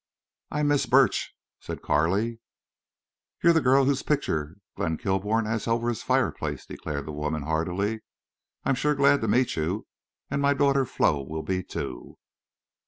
"I'm Miss Burch," said Carley. "You're the girl whose picture Glenn Kilbourne has over his fireplace," declared the woman, heartily. "I'm sure glad to meet you, an' my daughter Flo will be, too."